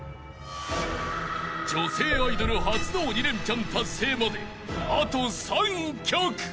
［女性アイドル初の鬼レンチャン達成まであと３曲］